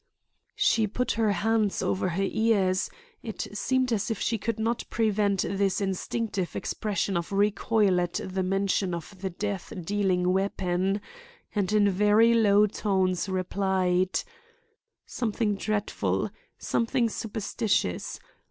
She put her hands over her ears—it seemed as if she could not prevent this instinctive expression of recoil at the mention of the death dealing weapon—and in very low tones replied: "Something dreadful; something superstitious.